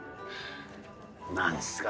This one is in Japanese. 何すか？